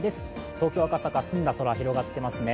東京・赤坂、澄んだ空が広がっていますね。